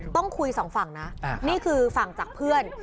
ต้องคุยสองฝั่งนะนี่คือฝั่งจากเพื่อน